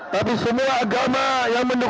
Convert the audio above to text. tapi semua agama yang mendukung